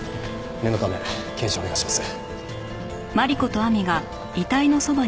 念のため検視をお願いします。